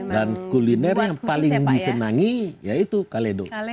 dan kuliner yang paling disenangi ya itu kaledo